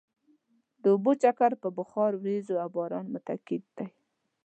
د اوبو چکر په بخار، ورېځو او باران متکي دی.